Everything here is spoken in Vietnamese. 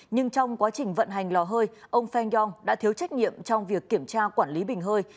nhưng trong quá trình vận hành lò hơi ông feng yong đã thiếu trách nhiệm trong việc kiểm tra quản lý bình hơi